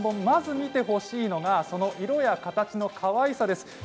まず見てほしいのが色や形のかわいさです。